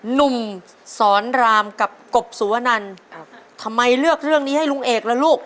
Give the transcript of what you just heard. หนุ่มสอนรามกับกบสุวนันครับทำไมเลือกเรื่องนี้ให้ลุงเอกล่ะลูก